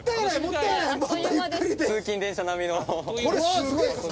通勤電車並みの。